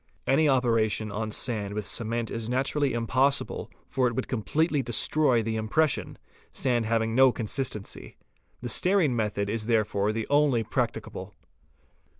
Any operation on sand with cement is naturally impossible for it would completely destroy the impression, sand having no consistency. The stearine method is therefore the only one practicable.